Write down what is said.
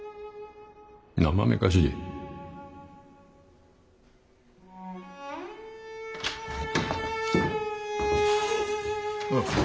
なまめかしい？おっ。